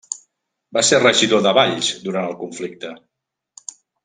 Va ser regidor de Valls durant el conflicte.